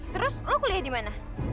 terus lo kuliah di mana